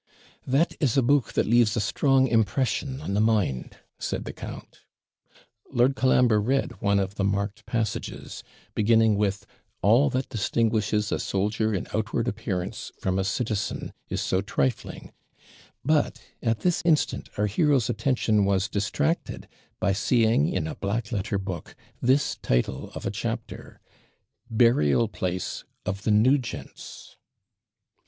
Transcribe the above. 'That is a book that leaves a strong impression on the mind,' said the count. Lord Colambre read one of the marked passages, beginning with, 'All that distinguishes a soldier in outward appearance from a citizen is so trifling ' but at this instant our hero's attention was distracted by seeing in a black letter book this title of a chapter: 'Burial place of the Nugents.'